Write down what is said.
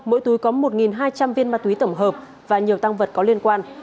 mỗi túi có một hai trăm linh viên ma túy tổng hợp và nhiều tăng vật có liên quan